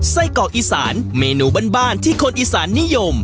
ไส้เกาะอีสานเมนูบ้านที่คนอีสานนิยม